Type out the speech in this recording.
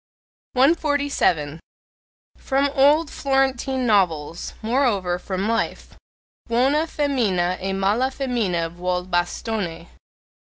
147. From old Florentine novels moreover, from life: Buona femmina e mala femmina vuol bastone.